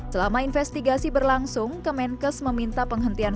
selama investigasi berlangsung kemenkes meminta penghentian